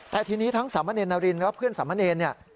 แต่ทีนี้ทั้งสามเณรนารินและเพื่อนสามะเนรเนี่ย